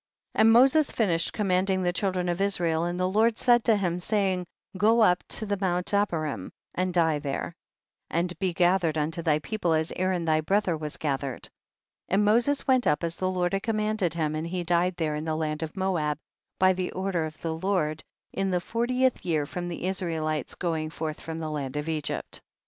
9. And Moses finished command ing the children of Israel, and the Lord said to him, saying, go up to the mount Abarim and die there, and be gathered unto thy people as Aaron thy brother was gathered. 10. And Moses went up as the Lord had commanded him, and he died there in the land of Moab by the order of the Lord, in the fortieth year from the Israelites going forth from the land of Egypt. 11.